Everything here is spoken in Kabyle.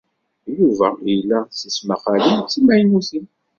Yuba ila tismaqqalin d timaynutin.